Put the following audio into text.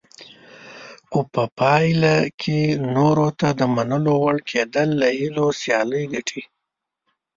خو په پایله کې نورو ته د منلو وړ کېدل له هیلو سیالي ګټي.